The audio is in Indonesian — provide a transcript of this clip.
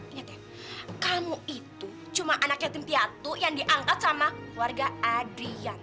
ingat ya kamu itu cuma anaknya timpiatu yang diangkat sama warga adrian